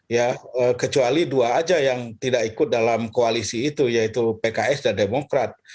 ya kecuali dua aja yang tidak ikut dalam koalisi itu yaitu pks dan demokrat